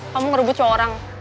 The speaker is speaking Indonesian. kamu ngerubut cowok orang